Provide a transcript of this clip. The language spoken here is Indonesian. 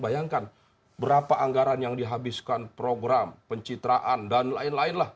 bayangkan berapa anggaran yang dihabiskan program pencitraan dan lain lain lah